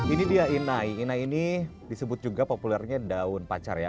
ini dia inai inai ini disebut juga populernya daun pacar ya